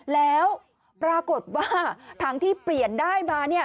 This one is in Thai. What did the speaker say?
แล้วปรากฏว่าถังที่เปลี่ยนได้มาเนี่ย